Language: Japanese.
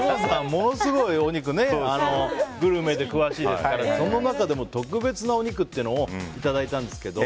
ものすごいお肉グルメで詳しいからその中でも特別なお肉をいただいたんですけど。